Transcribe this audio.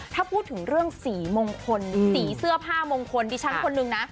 ถ้าพูดถึงเรื่องสีส่วนผ้ามงคลที่ฉันคนนึง